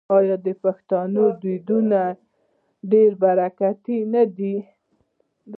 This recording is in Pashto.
آیا د پښتنو ډوډۍ ډیره برکتي نه وي؟